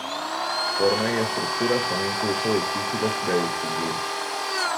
Forma y estructura son incluso difíciles de distinguir.